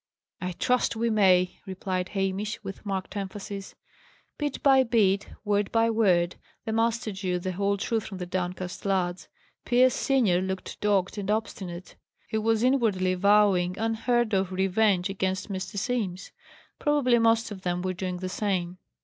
"I trust we may!" replied Hamish, with marked emphasis. Bit by bit, word by word, the master drew the whole truth from the downcast lads. Pierce senior looked dogged and obstinate: he was inwardly vowing unheard of revenge against Mr. Simms. Probably most of them were doing the same.